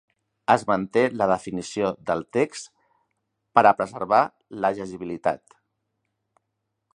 Es manté la definició del text per a preservar la llegibilitat.